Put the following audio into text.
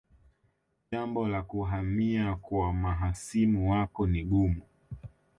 Jambo la kuhamia kwa mahasimu wako ni gumu